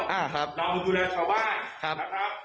เรามาดูแลชาวบ้านนะครับ